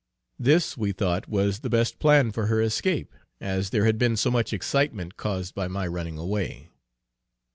This we thought was the best plan for her escape, as there had been so much excitement caused by my running away.